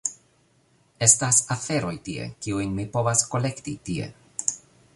Estas aferoj tie, kiujn mi povas kolekti tie…